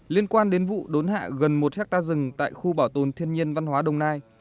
liên quan đến vụ đốn hạ gần một hectare rừng tại khu bảo tồn thiên nhiên văn hóa đồng nai